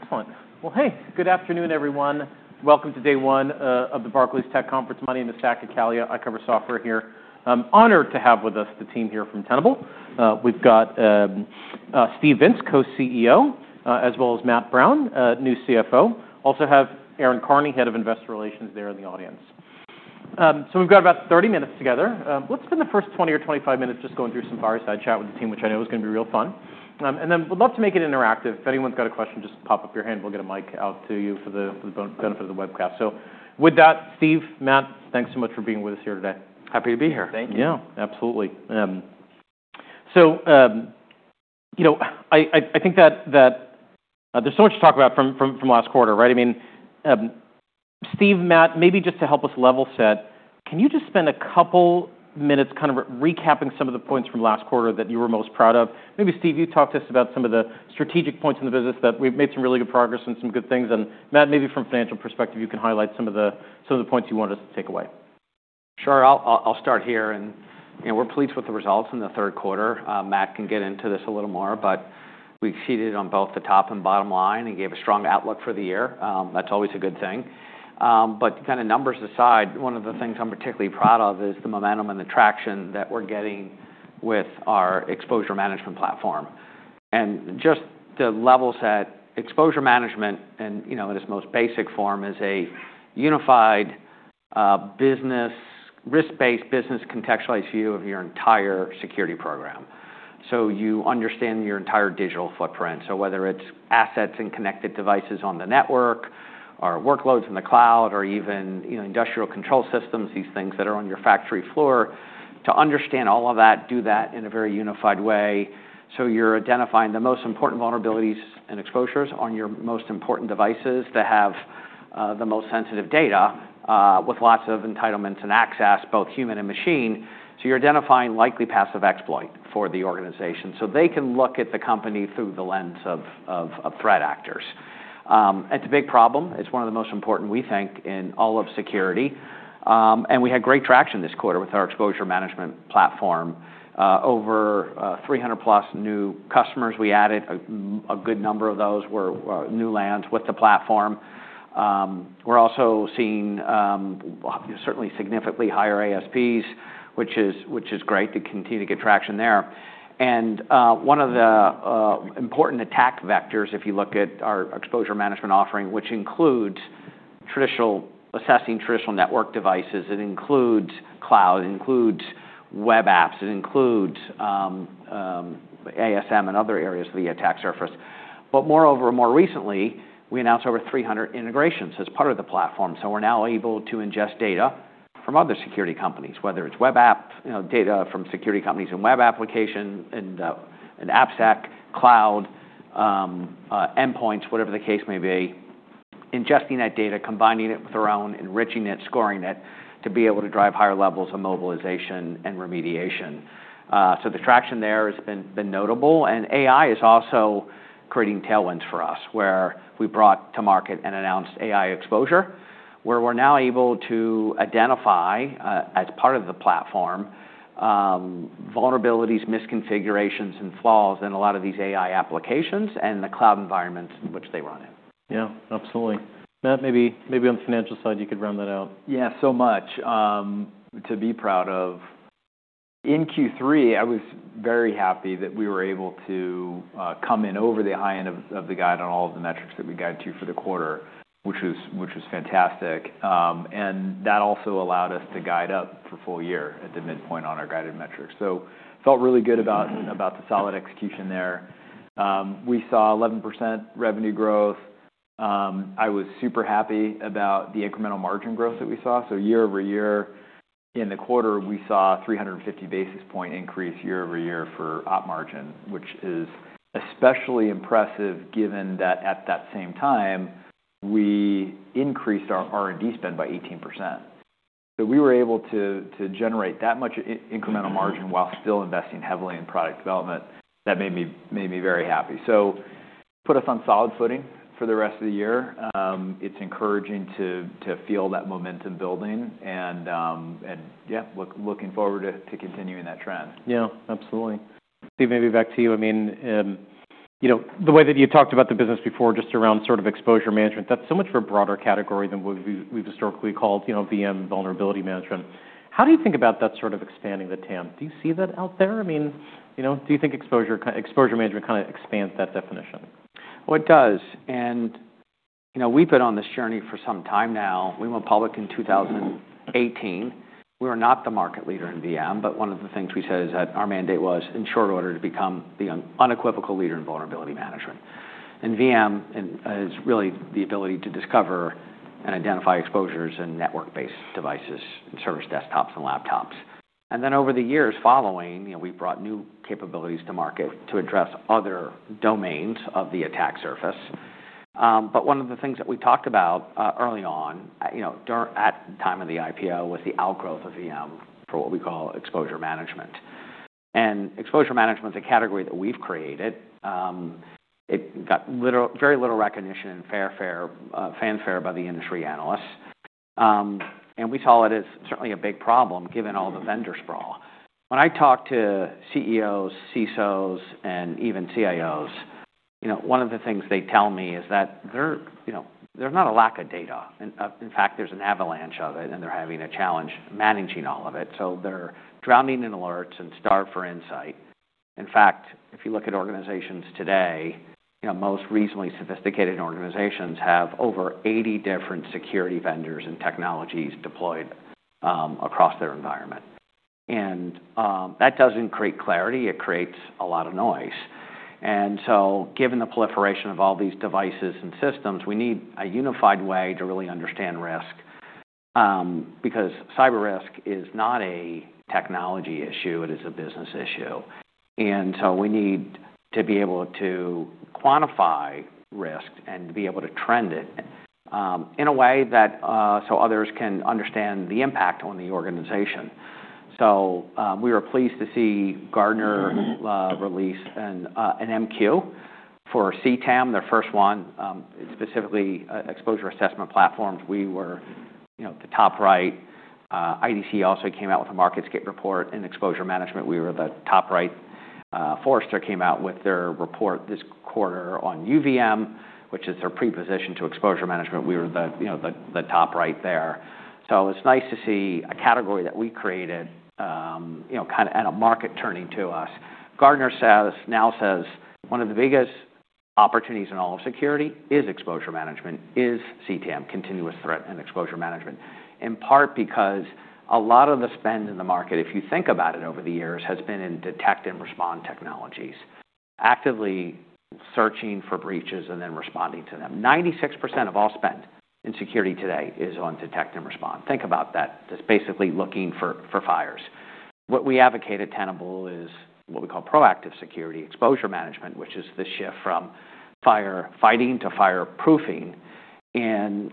Excellent, well, hey, good afternoon, everyone. Welcome to day one of the Barclays Tech Conference. My name is Saket Kalia. I cover software here. Honored to have with us the team here from Tenable. We've got Steve Vintz, Co-CEO, as well as Matt Brown, new CFO. Also have Erin Carney, head of investor relations, there in the audience, so we've got about 30 minutes together. Let's spend the first 20 or 25 minutes just going through some fireside chat with the team, which I know is gonna be real fun, and then we'd love to make it interactive. If anyone's got a question, just pop up your hand. We'll get a mic out to you for the benefit of the webcast, so with that, Steve, Matt, thanks so much for being with us here today. Happy to be here. Thank you. Yeah, absolutely, so you know, I think that there's so much to talk about from last quarter, right? I mean, Steve, Matt, maybe just to help us level set, can you just spend a couple minutes kind of recapping some of the points from last quarter that you were most proud of? Maybe, Steve, you talk to us about some of the strategic points in the business that we've made some really good progress and some good things, and Matt, maybe from a financial perspective, you can highlight some of the points you wanted us to take away. Sure. I'll start here, and you know, we're pleased with the results in the third quarter. Matt can get into this a little more, but we exceeded on both the top and bottom line and gave a strong outlook for the year. That's always a good thing, but kind of numbers aside, one of the things I'm particularly proud of is the momentum and the traction that we're getting with our exposure management platform, and just to level set, exposure management, and you know, in its most basic form, is a unified, business risk-based business contextualized view of your entire security program, so you understand your entire digital footprint. So whether it's assets and connected devices on the network or workloads in the cloud or even, you know, industrial control systems, these things that are on your factory floor, to understand all of that, do that in a very unified way. So you're identifying the most important vulnerabilities and exposures on your most important devices that have the most sensitive data, with lots of entitlements and access, both human and machine. So you're identifying likely passive exploit for the organization so they can look at the company through the lens of threat actors. It's a big problem. It's one of the most important, we think, in all of security, and we had great traction this quarter with our exposure management platform. Over 300-plus new customers we added. A good number of those were new lands with the platform. We're also seeing, certainly significantly higher ASPs, which is great to continue to get traction there, and one of the important attack vectors, if you look at our exposure management offering, which includes traditional assessing traditional network devices, it includes cloud, it includes web apps, it includes ASM and other areas of the attack surface, but moreover, more recently, we announced over 300 integrations as part of the platform, so we're now able to ingest data from other security companies, whether it's web app, you know, data from security companies and web application and AppSec cloud, endpoints, whatever the case may be, ingesting that data, combining it with our own, enriching it, scoring it to be able to drive higher levels of mobilization and remediation, so the traction there has been notable. And AI is also creating tailwinds for us where we brought to market and announced AI Exposure, where we're now able to identify, as part of the platform, vulnerabilities, misconfigurations, and flaws in a lot of these AI applications and the cloud environments in which they run in. Yeah, absolutely. Matt, maybe on the financial side, you could round that out. Yeah, so much to be proud of in Q3. I was very happy that we were able to come in over the high end of the guide on all of the metrics that we guided to for the quarter, which was fantastic, and that also allowed us to guide up for full year at the midpoint on our guided metrics, so felt really good about. Mm-hmm. About the solid execution there. We saw 11% revenue growth. I was super happy about the incremental margin growth that we saw. So year over year, in the quarter, we saw a 350 baCISA point increase year over year for op margin, which is especially impressive given that at that same time, we increased our R&D spend by 18%. So we were able to generate that much incremental margin while still investing heavily in product development. That made me very happy. So put us on solid footing for the rest of the year. It's encouraging to feel that momentum building. And yeah, looking forward to continuing that trend. Yeah, absolutely. Steve, maybe back to you. I mean, you know, the way that you talked about the business before just around sort of exposure management, that's so much of a broader category than what we've historically called, you know, VM vulnerability management. How do you think about that sort of expanding the TAM? Do you see that out there? I mean, you know, do you think exposure management kind of expands that definition? It does. You know, we've been on this journey for some time now. We went public in 2018. We were not the market leader in VM, but one of the things we said is that our mandate was, in short order, to become the unequivocal leader in vulnerability management. VM is really the ability to discover and identify exposures and network-based devices and servers desktops and laptops. Over the years following, you know, we brought new capabilities to market to address other domains of the attack surface. One of the things that we talked about, early on, you know, during at the time of the IPO was the outgrowth of VM for what we call exposure management. Exposure management's a category that we've created. It got very little recognition and fanfare by the industry analysts. And we saw it as certainly a big problem given all the vendor sprawl. When I talk to CEOs, CISOs, and even CIOs, you know, one of the things they tell me is that they're, you know, there's not a lack of data. And, in fact, there's an avalanche of it, and they're having a challenge managing all of it. So they're drowning in alerts and starved for insight. In fact, if you look at organizations today, you know, most reasonably sophisticated organizations have over 80 different security vendors and technologies deployed, across their environment. And, that doesn't create clarity. It creates a lot of noise. And so given the proliferation of all these devices and systems, we need a unified way to really understand risk, because cyber risk is not a technology issue. It is a business issue. We need to be able to quantify risk and to be able to trend it in a way that others can understand the impact on the organization. We were pleased to see Gartner release an MQ for CTEM, their first one, specifically exposure assessment platforms. We were, you know, the top right. IDC also came out with a MarketScape report in exposure management. We were the top right. Forrester came out with their report this quarter on VRM, which is their precursor to exposure management. We were, you know, the top right there. It's nice to see a category that we created, you know, kind of, and a market turning to us. Gartner says one of the biggest opportunities in all of security is exposure management, is CTEM, continuous threat and exposure management, in part because a lot of the spend in the market, if you think about it over the years, has been in detect and respond technologies, actively searching for breaches and then responding to them. 96% of all spend in security today is on detect and respond. Think about that. That's basically looking for fires. What we advocate at Tenable is what we call proactive security exposure management, which is the shift from fire fighting to fireproofing. And,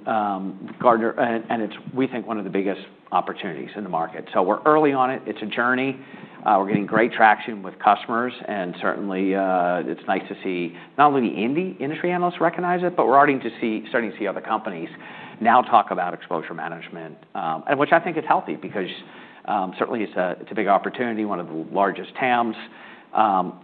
Gartner, it's, we think, one of the biggest opportunities in the market. So we're early on it. It's a journey. We're getting great traction with customers. Certainly, it's nice to see not only the independent industry analysts recognize it, but we're starting to see other companies now talk about exposure management, which I think is healthy because certainly it's a big opportunity, one of the largest TAMs.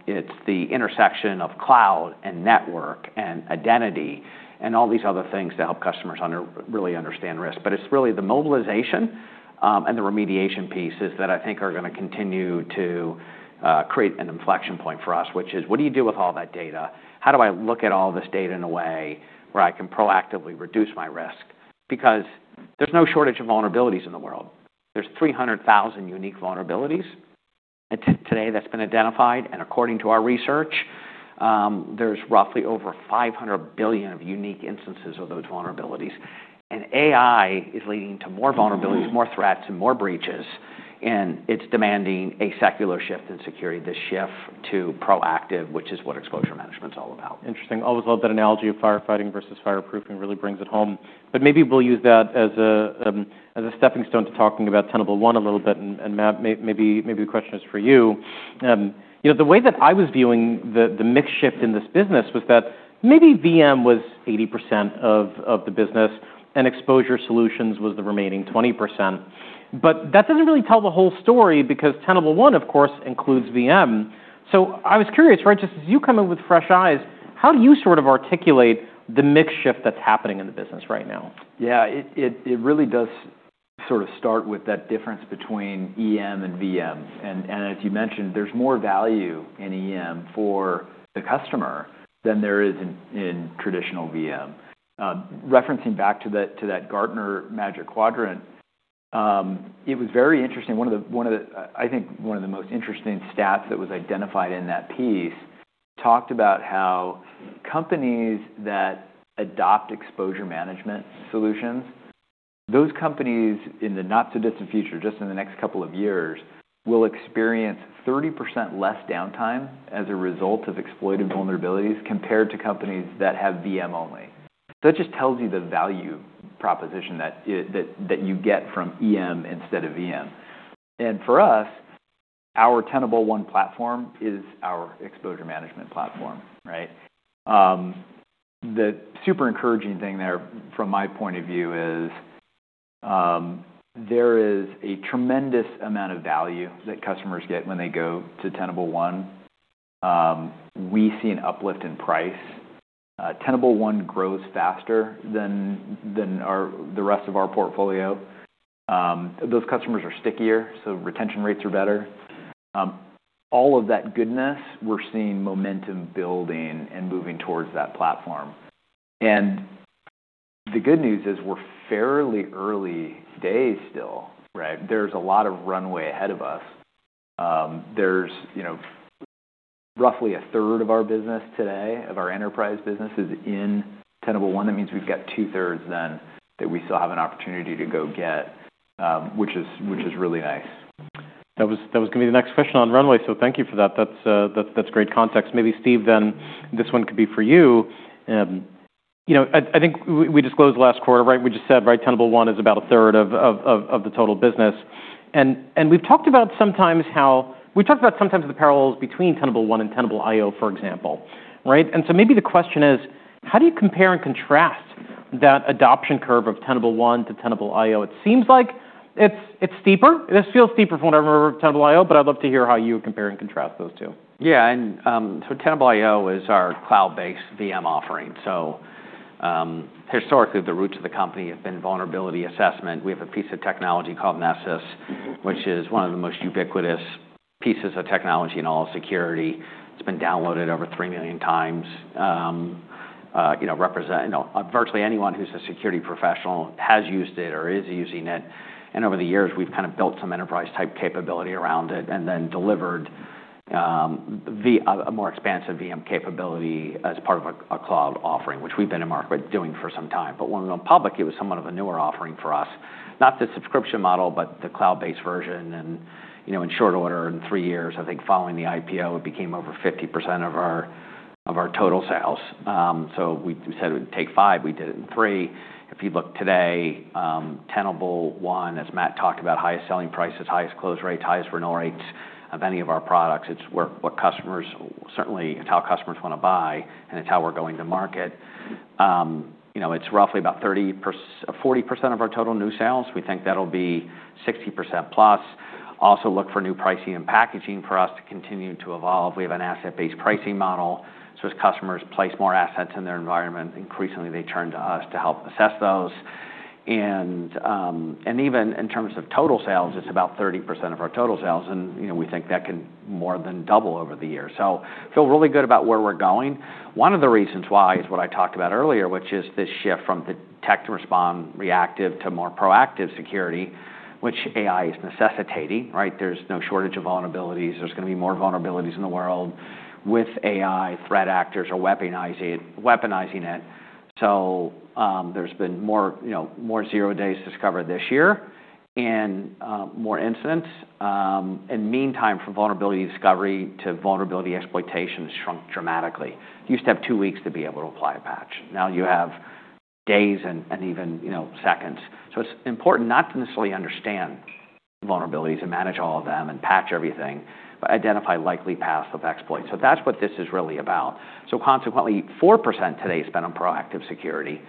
It's the intersection of cloud and network and identity and all these other things that help customers to really understand risk. But it's really the mobilization and the remediation pieces that I think are gonna continue to create an inflection point for us, which is what do you do with all that data? How do I look at all this data in a way where I can proactively reduce my risk? Because there's no shortage of vulnerabilities in the world. There's 300,000 unique vulnerabilities today that's been identified. According to our research, there's roughly over 500 billion unique instances of those vulnerabilities. AI is leading to more vulnerabilities, more threats, and more breaches. It's demanding a secular shift in security, this shift to proactive, which is what exposure management's all about. Interesting. Always love that analogy of firefighting versus fireproofing. Really brings it home. But maybe we'll use that as a stepping stone to talking about Tenable One a little bit. And, Matt, maybe the question is for you. You know, the way that I was viewing the mix shift in this business was that maybe VM was 80% of the business and exposure solutions was the remaining 20%. But that doesn't really tell the whole story because Tenable One, of course, includes VM. So I was curious, right, just as you come in with fresh eyes, how do you sort of articulate the mix shift that's happening in the business right now? Yeah, it really does sort of start with that difference between EM and VM. And as you mentioned, there's more value in EM for the customer than there is in traditional VM, referencing back to that Gartner magic quadrant. It was very interesting. One of the, I think, most interesting stats that was identified in that piece talked about how companies that adopt exposure management solutions, those companies in the not-so-distant future, just in the next couple of years, will experience 30% less downtime as a result of exploited vulnerabilities compared to companies that have VM only. That just tells you the value proposition that you get from EM instead of VM. And for us, our Tenable One platform is our exposure management platform, right? The super encouraging thing there from my point of view is, there is a tremendous amount of value that customers get when they go to Tenable One. We see an uplift in price. Tenable One grows faster than the rest of our portfolio. Those customers are stickier, so retention rates are better. All of that goodness, we're seeing momentum building and moving towards that platform, and the good news is we're fairly early days still, right? There's a lot of runway ahead of us. There's, you know, roughly a third of our business today of our enterprise business is in Tenable One. That means we've got two-thirds that we still have an opportunity to go get, which is really nice. That was gonna be the next question on runway. So thank you for that. That's great context. Maybe, Steve, then this one could be for you, you know. I think we disclosed last quarter, right? We just said, right, Tenable One is about a third of the total business. And we've talked about sometimes how we've talked about sometimes the parallels between Tenable One and Tenable.io, for example, right? And so maybe the question is, how do you compare and contrast that adoption curve of Tenable One to Tenable.io? It seems like it's steeper. This feels steeper from what I remember Tenable.io, but I'd love to hear how you would compare and contrast those two. Yeah, and so Tenable.io is our cloud-based VM offering, so historically, the roots of the company have been vulnerability assessment. We have a piece of technology called Nessus, which is one of the most ubiquitous pieces of technology in all of security. It's been downloaded over three million times, you know, represent, you know, virtually anyone who's a security professional has used it or is using it, and over the years, we've kind of built some enterprise-type capability around it and then delivered a more expansive VM capability as part of a cloud offering, which we've been in market doing for some time, but when we went public, it was somewhat of a newer offering for us, not the subscription model, but the cloud-based version. And, you know, in short order, in three years, I think following the IPO, it became over 50% of our total sales. So we said it would take five. We did it in three. If you look today, Tenable One, as Matt talked about, highest selling prices, highest close rates, highest renewal rates of any of our products. It's where, what customers certainly it's how customers wanna buy, and it's how we're going to market. You know, it's roughly about 30%-40% of our total new sales. We think that'll be 60% plus. Also look for new pricing and packaging for us to continue to evolve. We have an asset-based pricing model. So as customers place more assets in their environment, increasingly, they turn to us to help assess those. And even in terms of total sales, it's about 30% of our total sales. And, you know, we think that can more than double over the years. So feel really good about where we're going. One of the reasons why is what I talked about earlier, which is this shift from the detect and respond reactive to more proactive security, which AI is necessitating, right? There's no shortage of vulnerabilities. There's gonna be more vulnerabilities in the world with AI threat actors or weaponizing it. So, there's been more, you know, more zero days discovered this year and more incidents, and mean time from vulnerability discovery to vulnerability exploitation has shrunk dramatically. You used to have two weeks to be able to apply a patch. Now you have days and even, you know, seconds. So it's important not to necessarily understand vulnerabilities and manage all of them and patch everything, but identify likely paths of exploit. So that's what this is really about. So consequently, 4% today spent on proactive security.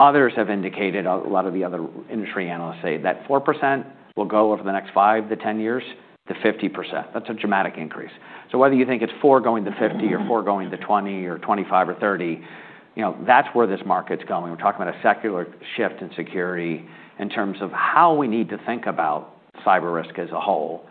Others have indicated a lot of the other industry analysts say that 4% will go over the next five to 10 years to 50%. That's a dramatic increase. So whether you think it's 4 going to 50 or 4 going to 20 or 25 or 30, you know, that's where this market's going. We're talking about a secular shift in security in terms of how we need to think about cyber risk as a whole.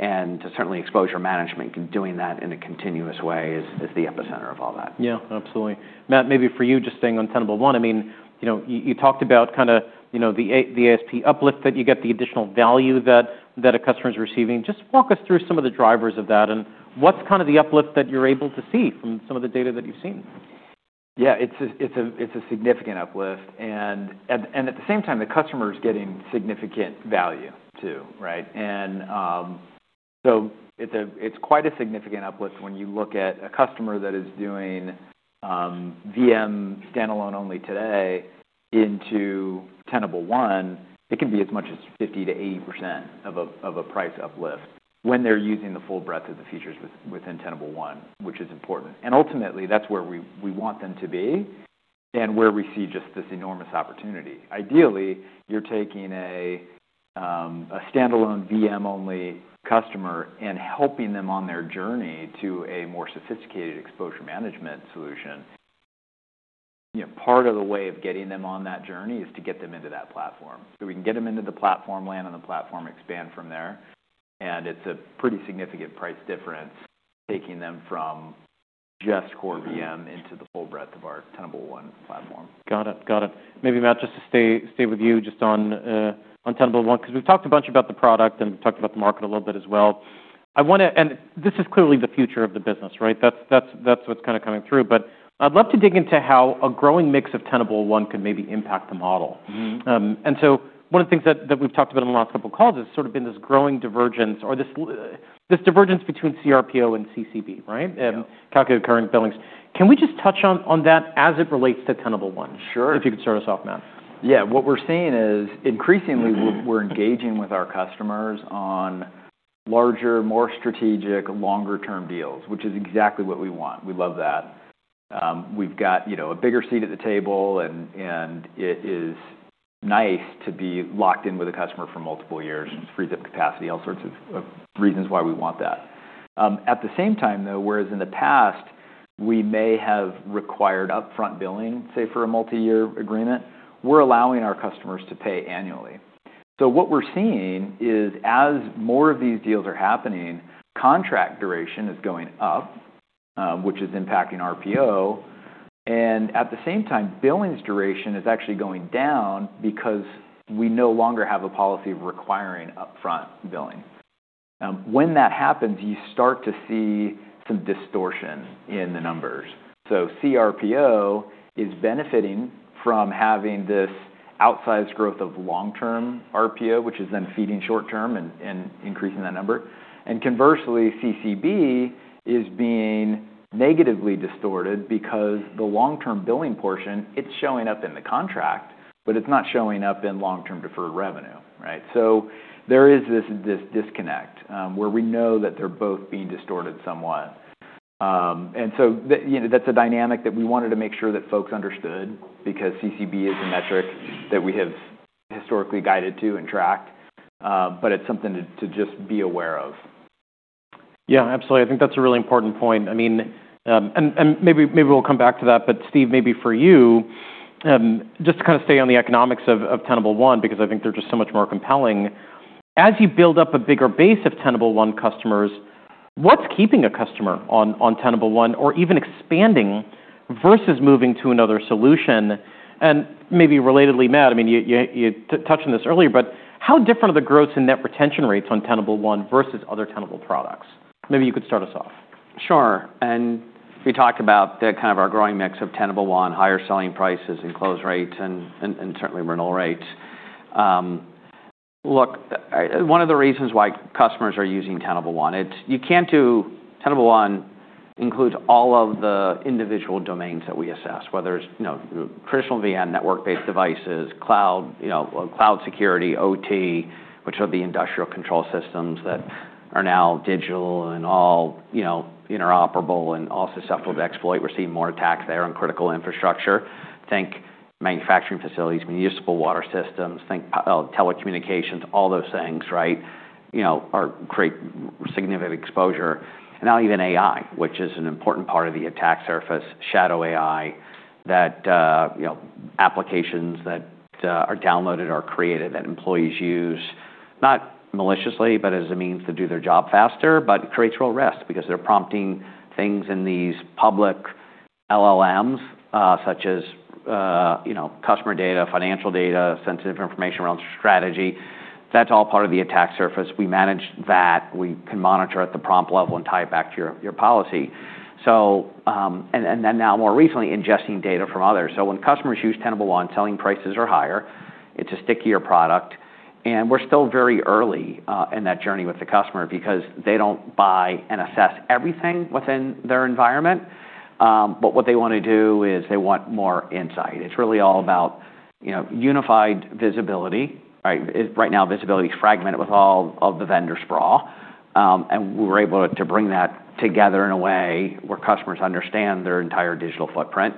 And certainly, exposure management can doing that in a continuous way is the epicenter of all that. Yeah, absolutely. Matt, maybe for you, just staying on Tenable One, I mean, you know, you talked about kinda, you know, the ASP uplift that you get, the additional value that a customer's receiving. Just walk us through some of the drivers of that and what's kinda the uplift that you're able to see from some of the data that you've seen? Yeah, it's a significant uplift. And at the same time, the customer's getting significant value too, right? And so it's quite a significant uplift when you look at a customer that is doing VM standalone only today into Tenable One. It can be as much as 50%-80% of a price uplift when they're using the full breadth of the features within Tenable One, which is important. And ultimately, that's where we want them to be and where we see just this enormous opportunity. Ideally, you're taking a standalone VM-only customer and helping them on their journey to a more sophisticated exposure management solution. You know, part of the way of getting them on that journey is to get them into that platform so we can get them into the platform, land on the platform, expand from there, and it's a pretty significant price difference taking them from just core VM into the full breadth of our Tenable One platform. Got it. Maybe, Matt, just to stay with you just on Tenable One 'cause we've talked a bunch about the product and we've talked about the market a little bit as well. I wanna and this is clearly the future of the business, right? That's what's kinda coming through. But I'd love to dig into how a growing mix of Tenable One could maybe impact the model. Mm-hmm. And so one of the things that we've talked about in the last couple of calls has sort of been this growing divergence or this divergence between CRPO and CCB, right? Mm-hmm. Calculated current billings. Can we just touch on, on that as it relates to Tenable One? Sure. If you could start us off, Matt. Yeah. What we're seeing is increasingly, we're engaging with our customers on larger, more strategic, longer-term deals, which is exactly what we want. We love that. We've got, you know, a bigger seat at the table, and it is nice to be locked in with a customer for multiple years and free up capacity, all sorts of reasons why we want that. At the same time, though, whereas in the past, we may have required upfront billing, say, for a multi-year agreement, we're allowing our customers to pay annually, so what we're seeing is as more of these deals are happening, contract duration is going up, which is impacting RPO, and at the same time, billing's duration is actually going down because we no longer have a policy of requiring upfront billing. When that happens, you start to see some distortion in the numbers. So CRPO is benefiting from having this outsized growth of long-term RPO, which is then feeding short-term and increasing that number, and conversely, CCB is being negatively distorted because the long-term billing portion, it's showing up in the contract, but it's not showing up in long-term deferred revenue, right, so there is this disconnect, where we know that they're both being distorted somewhat, and so that, you know, that's a dynamic that we wanted to make sure that folks understood because CCB is a metric that we have historically guided to and tracked, but it's something to just be aware of. Yeah, absolutely. I think that's a really important point. I mean, and maybe we'll come back to that. But, Steve, maybe for you, just to kinda stay on the economics of Tenable One because I think they're just so much more compelling. As you build up a bigger base of Tenable One customers, what's keeping a customer on Tenable One or even expanding versus moving to another solution? And maybe relatedly, Matt, I mean, you touched on this earlier, but how different are the gross and net retention rates on Tenable One versus other Tenable products? Maybe you could start us off. Sure. And we talked about the kind of our growing mix of Tenable One, higher selling prices and close rates and certainly renewal rates. Look, one of the reasons why customers are using Tenable One, it's you can't do Tenable One includes all of the individual domains that we assess, whether it's, you know, traditional VM, network-based devices, cloud, you know, cloud security, OT, which are the industrial control systems that are now digital and all, you know, interoperable and also suffered exploit. We're seeing more attacks there on critical infrastructure. Think manufacturing facilities, municipal water systems, think, telecommunications, all those things, right? You know, are create significant exposure. And now even AI, which is an important part of the attack surface, shadow AI that, you know, applications that are downloaded or created that employees use not maliciously, but as a means to do their job faster, but it creates real risk because they're prompting things in these public LLMs, such as, you know, customer data, financial data, sensitive information around strategy. That's all part of the attack surface. We manage that. We can monitor at the prompt level and tie it back to your, your policy. So, and, and then now more recently, ingesting data from others. So when customers use Tenable One, selling prices are higher. It's a stickier product. And we're still very early in that journey with the customer because they don't buy and assess everything within their environment, but what they wanna do is they want more insight. It's really all about, you know, unified visibility, right? Right now, visibility's fragmented with all of the vendor sprawl, and we're able to bring that together in a way where customers understand their entire digital footprint,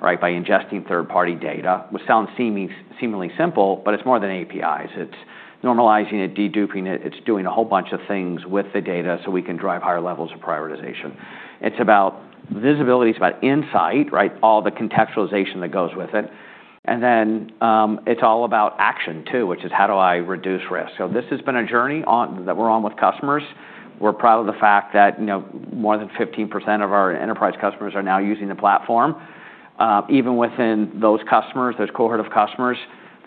right, by ingesting third-party data, which sounds seemingly simple, but it's more than APIs. It's normalizing it, deduping it. It's doing a whole bunch of things with the data so we can drive higher levels of prioritization. It's about visibility, it's about insight, right? All the contextualization that goes with it. And then, it's all about action too, which is how do I reduce risk? So this has been a journey on that we're on with customers. We're proud of the fact that, you know, more than 15% of our enterprise customers are now using the platform. Even within those customers, those cohort of customers,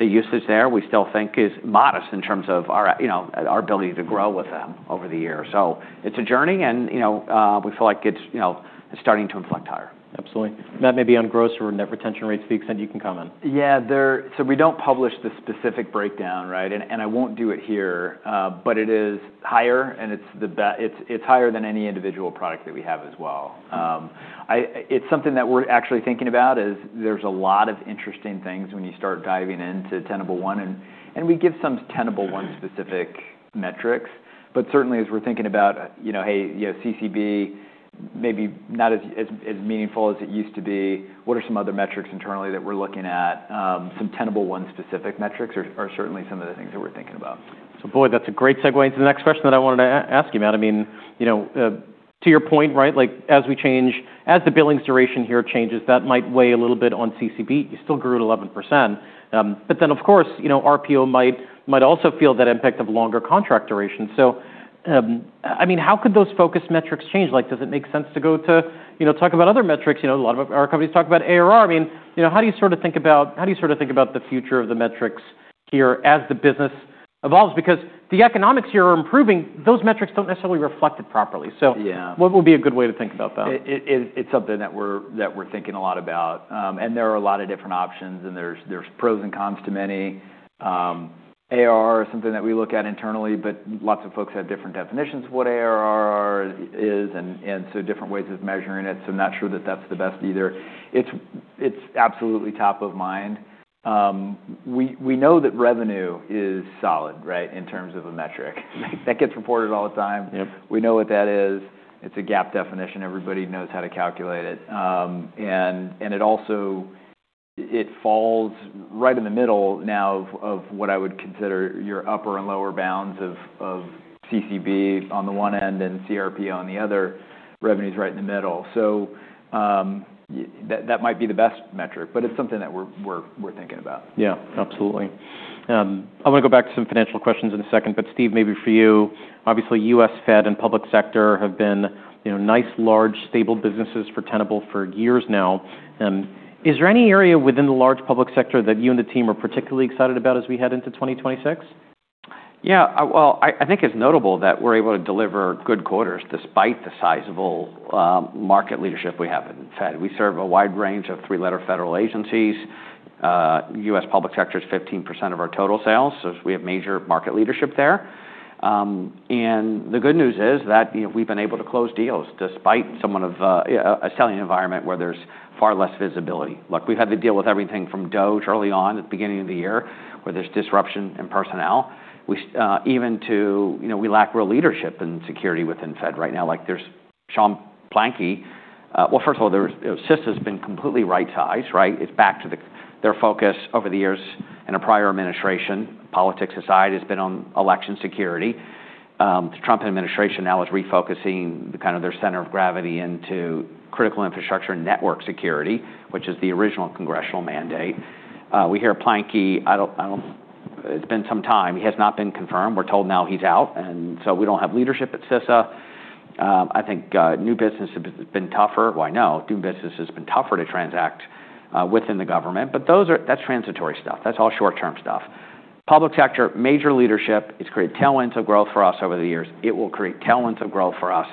the usage there we still think is modest in terms of our, you know, our ability to grow with them over the years. So it's a journey. And, you know, we feel like it's, you know, it's starting to inflect higher. Absolutely. Matt, maybe on gross or net retention rates, the extent you can comment. Yeah, so we don't publish the specific breakdown, right? And I won't do it here, but it is higher and it's higher than any individual product that we have as well. It's something that we're actually thinking about. There's a lot of interesting things when you start diving into Tenable One. And we give some Tenable One-specific metrics, but certainly as we're thinking about, you know, hey, you know, CCB, maybe not as meaningful as it used to be. What are some other metrics internally that we're looking at? Some Tenable One-specific metrics are certainly some of the things that we're thinking about. So, boy, that's a great segue into the next question that I wanted to ask you, Matt. I mean, you know, to your point, right? Like, as we change, as the billing's duration here changes, that might weigh a little bit on CCB. You still grew at 11%, but then, of course, you know, RPO might also feel that impact of longer contract duration. So, I mean, how could those focus metrics change? Like, does it make sense to go to, you know, talk about other metrics? You know, a lot of our companies talk about ARR. I mean, you know, how do you sorta think about the future of the metrics here as the business evolves? Because the economics here are improving. Those metrics don't necessarily reflect it properly. So. Yeah. What would be a good way to think about that? It's something that we're thinking a lot about, and there are a lot of different options and there's pros and cons to many. ARR is something that we look at internally, but lots of folks have different definitions of what ARR is and so different ways of measuring it. So I'm not sure that that's the best either. It's absolutely top of mind. We know that revenue is solid, right, in terms of a metric. That gets reported all the time. Yep. We know what that is. It's a gap definition. Everybody knows how to calculate it, and it also falls right in the middle now of what I would consider your upper and lower bounds of CCB on the one end and CRPO on the other. Revenue's right in the middle, so that might be the best metric, but it's something that we're thinking about. Yeah, absolutely. I wanna go back to some financial questions in a second. But, Steve, maybe for you, obviously U.S., Fed, and public sector have been, you know, nice, large, stable businesses for Tenable for years now. Is there any area within the large public sector that you and the team are particularly excited about as we head into 2026? Yeah. Well, I think it's notable that we're able to deliver good quarters despite the sizable market leadership we have in the Fed. We serve a wide range of three-letter federal agencies. U.S. public sector's 15% of our total sales, so we have major market leadership there, and the good news is that, you know, we've been able to close deals despite somewhat of a selling environment where there's far less visibility. Look, we've had to deal with everything from DOE early on at the beginning of the year where there's disruption in personnel. You know, we lack real leadership in security within Fed right now. Like, there's Sean Plankey. Well, first of all, there's, you know, CISA has been completely right-sized, right? It's back to their focus over the years in a prior administration. Politics aside has been on election security. The Trump administration now is refocusing the kind of their center of gravity into critical infrastructure and network security, which is the original congressional mandate. We hear Plankey. I don't. It's been some time. He has not been confirmed. We're told now he's out. So we don't have leadership at CISA. I think new business has been tougher. Well, I know new business has been tougher to transact within the government. But that's transitory stuff. That's all short-term stuff. Public sector major leadership has created talent and growth for us over the years. It will create talent and growth for us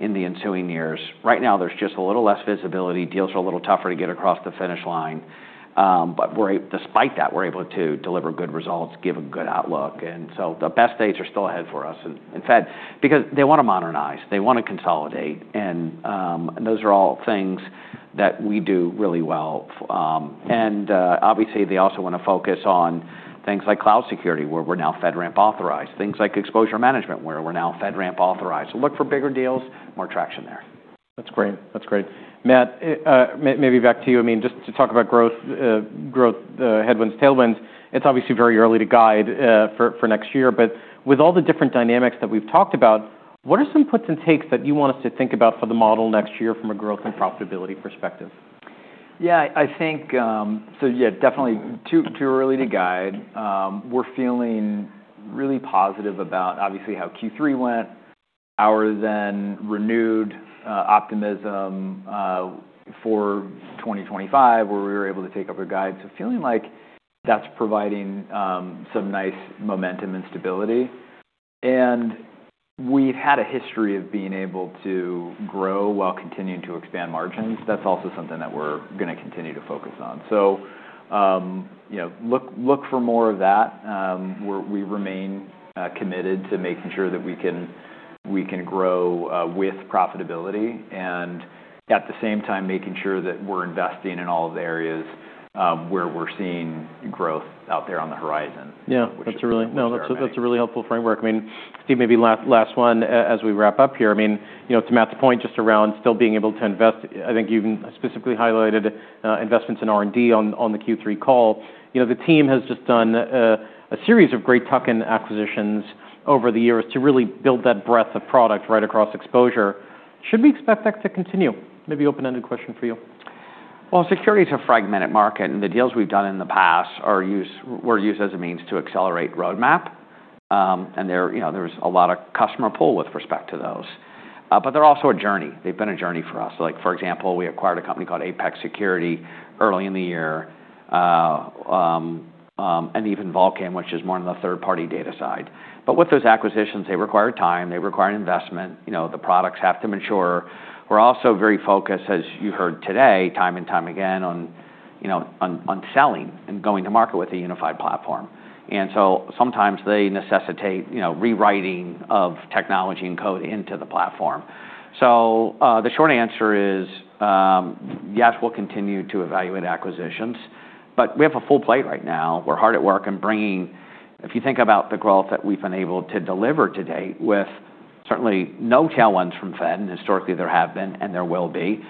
in the ensuing years. Right now, there's just a little less visibility. Deals are a little tougher to get across the finish line. But despite that, we're able to deliver good results, give a good outlook. The best days are still ahead for us in Fed because they wanna modernize. They wanna consolidate. Those are all things that we do really well. Obviously they also wanna focus on things like cloud security where we're now FedRAMP authorized. Things like exposure management where we're now FedRAMP authorized. Look for bigger deals, more traction there. That's great. That's great. Matt, maybe back to you. I mean, just to talk about growth, headwinds, tailwinds, it's obviously very early to guide for next year. But with all the different dynamics that we've talked about, what are some puts and takes that you want us to think about for the model next year from a growth and profitability perspective? Yeah, I think so yeah, definitely too early to guide. We're feeling really positive about obviously how Q3 went, our then renewed optimism for 2025, where we were able to take up a guide, so feeling like that's providing some nice momentum and stability, and we've had a history of being able to grow while continuing to expand margins. That's also something that we're gonna continue to focus on, so you know, look for more of that. We remain committed to making sure that we can grow with profitability and at the same time making sure that we're investing in all of the areas where we're seeing growth out there on the horizon. Yeah. That's a really helpful framework. I mean, Steve, maybe last one, as we wrap up here, I mean, you know, to Matt's point just around still being able to invest, I think you specifically highlighted investments in R&D on the Q3 call. You know, the team has just done a series of great tuck-in acquisitions over the years to really build that breadth of product right across exposure. Should we expect that to continue? Maybe open-ended question for you. Security's a fragmented market, and the deals we've done in the past are used, were used as a means to accelerate roadmap, and there, you know, there's a lot of customer pull with respect to those, but they're also a journey. They've been a journey for us. Like, for example, we acquired a company called Apex Security early in the year, and even Vulcan Cyber, which is more on the third-party data side, but with those acquisitions, they require time. They require investment. You know, the products have to mature. We're also very focused, as you heard today, time and time again on, you know, selling and going to market with a unified platform, and so sometimes they necessitate, you know, rewriting of technology and code into the platform. The short answer is, yes, we'll continue to evaluate acquisitions, but we have a full plate right now. We're hard at work and bringing, if you think about the growth that we've been able to deliver today with certainly no tailwinds from Fed, and historically there have been and there will be,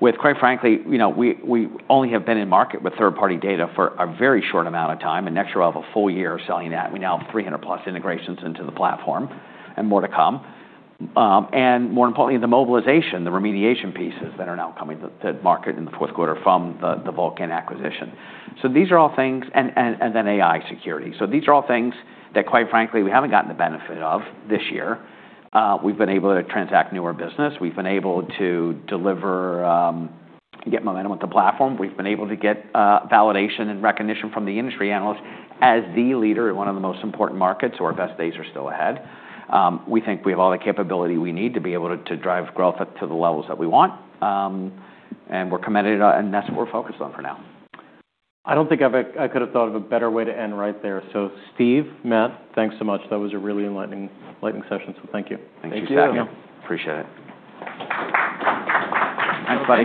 with quite frankly, you know, we only have been in market with third-party data for a very short amount of time. And next year we'll have a full year of selling that. We now have 300-plus integrations into the platform and more to come. And more importantly, the mobilization, the remediation pieces that are now coming to market in the fourth quarter from the Vulcan Cyber acquisition. So these are all things, and then AI security. So these are all things that quite frankly we haven't gotten the benefit of this year. We've been able to transact newer business. We've been able to deliver, get momentum with the platform. We've been able to get validation and recognition from the industry analysts as the leader in one of the most important markets. Our best days are still ahead. We think we have all the capability we need to be able to drive growth to the levels that we want, and we're committed, and that's what we're focused on for now. I don't think I could have thought of a better way to end right there. So, Steve, Matt, thanks so much. That was a really enlightening session. So thank you. Thank you, Saket. Take care. Appreciate it. Thanks, Matt.